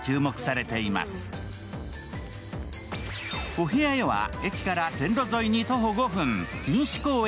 お部屋へは駅から線路沿いに徒歩５分、錦糸公園